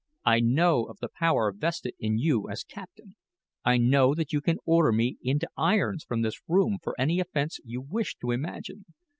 "I know of the power vested in you as captain. I know that you can order me into irons from this room for any offense you wish to imagine.